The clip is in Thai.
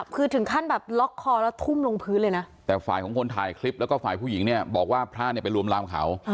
คือถึงขั้นแบบล็อกคอแล้วทุ่มลงพื้นเลยนะแต่ฝ่ายของคนถ่ายคลิปแล้วก็ฝ่ายผู้หญิงเนี่ยบอกว่าพระเนี่ยไปรวมลามเขา